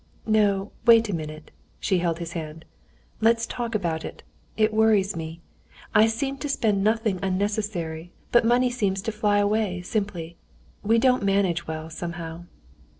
"No, wait a minute." She held his hand. "Let's talk about it, it worries me. I seem to spend nothing unnecessary, but money seems to fly away simply. We don't manage well, somehow."